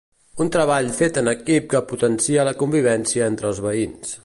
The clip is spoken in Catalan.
Un treball fet en equip que potencia la convivència entre els veïns.